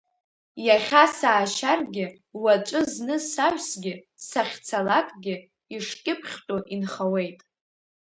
Иахьа саашьаргьы, уаҵәы зны саҩсгьы, сахьцалакгьы, ишкьыԥхьтәу инхауеит.